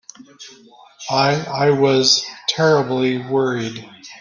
I—I was terribly worried.